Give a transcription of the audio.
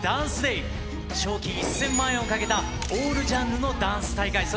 賞金１０００万円をかけた、オールジャンルのダンス大会。